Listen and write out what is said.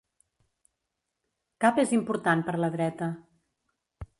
Cap és important per la dreta.